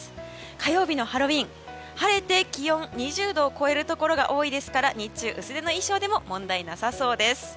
火曜日のハロウィーン晴れて、気温も２０度を超えるところが多いですから、日中薄手の衣装でも問題なさそうです。